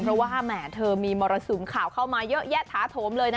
เพราะว่าแหมเธอมีมรสุมข่าวเข้ามาเยอะแยะท้าโถมเลยนะ